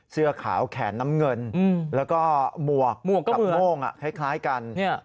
เสื้อขาวแขนน้ำเงินอืมแล้วก็มวกมวกกับโมงอ่ะคล้ายกันเนี้ย